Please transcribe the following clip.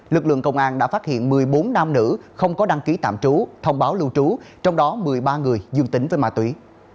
lực lượng công an đã phát hiện một mươi bốn nam nữ không có đăng ký tạm trú thông báo lưu trú trong đó một mươi ba người dương tính với ma túy